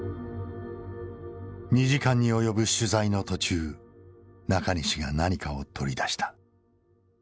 ２時間に及ぶ取材の途中中西が何かを取り出した。